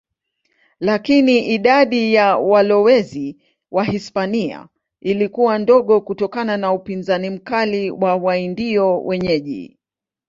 Lakini idadi ya walowezi Wahispania ilikuwa ndogo kutokana na upinzani mkali wa Waindio wenyeji.